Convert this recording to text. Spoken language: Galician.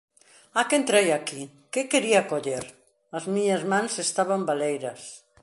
“A que entrei aquí? Que quería coller?” As miñas mans estaban baleiras.